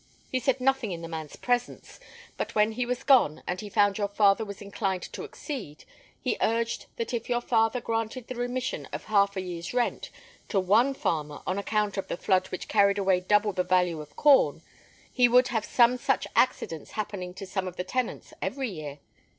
He said nothing in the man's presence; but when he was gone, and he found your father was inclined to accede, he urged that if your father granted the remission of half a year's rent to one farmer on account of the flood which carried away double the value of corn, he would have some such accidents happening to some of the tenants every year.